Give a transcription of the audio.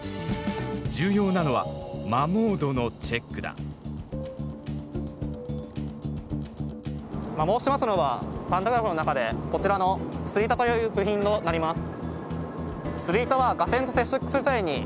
重要なのは摩耗しますのはパンタグラフの中でこちらの「すり板」という部品となります。